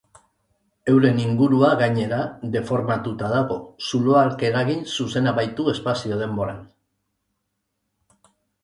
Euren ingurua, gainera, deformatuta dago, zuloak eragin zuzena baitu espazio-denboran.